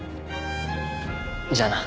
じゃあな。